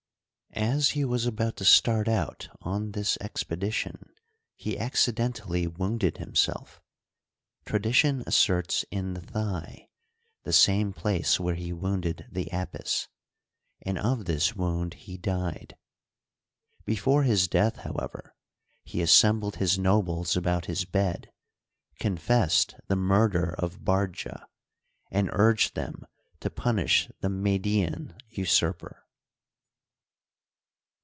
As he was about to start out on this expedition, he acci dentally wounded himself—tradition asserts in the thigh, the same place where he wounded the Apis —and of this wound he died. Before his death, however, he assembled his nobles about his bed, confessed the murder of Bardja, and urged them to punish the Median usurper.